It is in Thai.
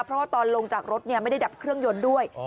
เพราะว่าตอนลงจากรถไม่ได้ดับเครื่องยนต์ด้วย